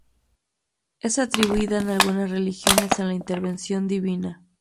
Es atribuida en algunas religiones a la intervención divina.